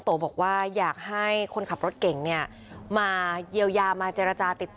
ถามได้เลยแถวนี้